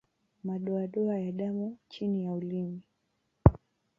Madoadoa ya damu chini ya ulimi